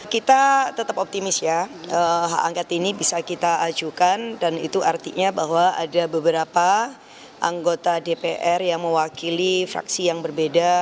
kita tetap optimis ya hak angket ini bisa kita ajukan dan itu artinya bahwa ada beberapa anggota dpr yang mewakili fraksi yang berbeda